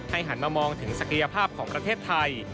หันมามองถึงศักยภาพของประเทศไทย